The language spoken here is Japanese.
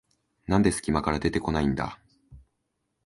なんですき間から出てこないんだ